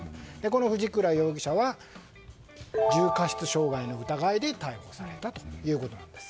この藤倉容疑者は重過失傷害の疑いで逮捕されたということなんです。